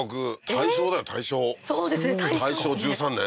大正大正１３年？